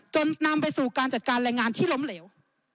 จนนำไปสู่การจัดการแรงงานที่ล้มเหลว